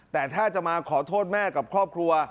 แต่ถ้าจะมาขอโทษแม่กับครอบครัว